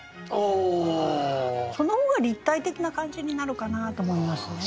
その方が立体的な感じになるかなと思いますね。